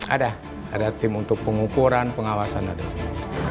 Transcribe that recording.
ada ada tim untuk pengukuran pengawasan ada di sini